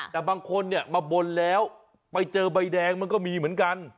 แต่บางคนเนี่ยมาบนแล้วไปเจอใบแดงมันก็มีเหมือนกัน